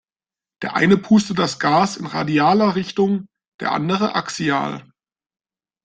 Der eine pustet das Gas in radialer Richtung, der andere axial.